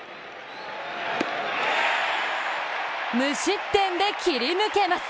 無失点で切り抜けます。